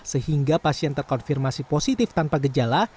sehingga pasien terkonfirmasi positif tanpa gejala